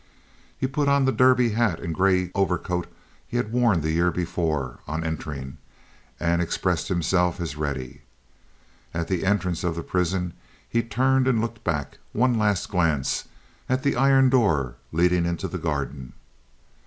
He put on the derby hat and gray overcoat he had worn the year before, on entering, and expressed himself as ready. At the entrance of the prison he turned and looked back—one last glance—at the iron door leading into the garden.